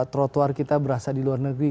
trotoar kita berasa di luar negeri